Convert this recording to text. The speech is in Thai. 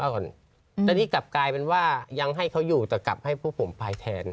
ก่อนอืมแต่ที่กลับกลายเป็นว่ายังให้เขาอยู่แต่กลับให้พวกผมภายแทน